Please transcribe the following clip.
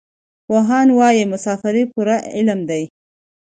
پوهان وايي مسافري پوره علم دی.